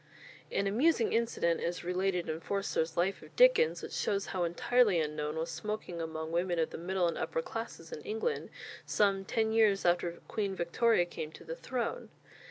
An amusing incident is related in Forster's "Life of Dickens," which shows how entirely unknown was smoking among women of the middle and upper classes in England some ten years after Queen Victoria came to the throne.